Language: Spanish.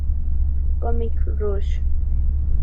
Comic Rush